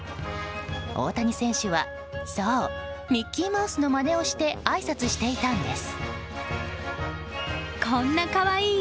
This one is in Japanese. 大谷選手は、そうミッキーマウスのまねをしてあいさつしていたんです。